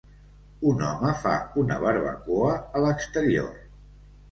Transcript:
Un home fa una barbacoa a l'exterior.